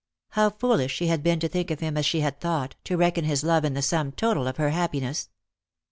How foolish she had been to think of him as she had thought, to reckon his love in the sum total of her happiness